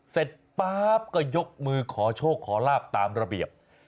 ป๊าบก็ยกมือขอโชคขอลาบตามระเบียบ